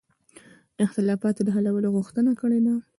د اختلافاتو د حلولو غوښتنه کړې ده.